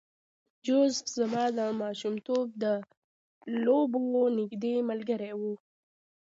جوزف زما د ماشومتوب د لوبو نږدې ملګری و